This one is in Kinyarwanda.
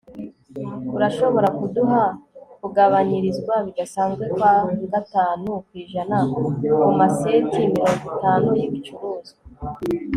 urashobora kuduha kugabanyirizwa bidasanzwe kwa gatanu ku ijana kumaseti mirongo itanu yibicuruzwa